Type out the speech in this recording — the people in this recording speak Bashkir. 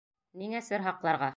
Ниңә сер һаҡларға?